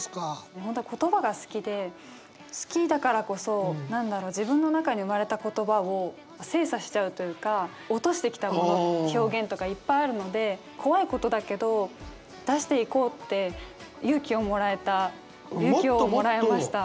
もう本当言葉が好きで好きだからこそ何だろう自分の中に生まれた言葉を精査しちゃうというか落としてきた表現とかいっぱいあるので怖いことだけど出していこうって勇気をもらえました。